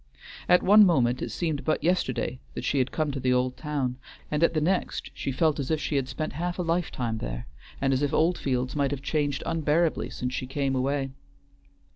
At one moment it seemed but yesterday that she had come to the old town, and at the next she felt as if she had spent half a lifetime there, and as if Oldfields might have changed unbearably since she came away.